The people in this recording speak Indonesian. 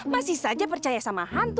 masih saja percaya sama hantu